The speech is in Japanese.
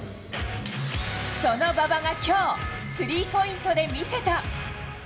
その馬場がきょう、スリーポイントで見せた。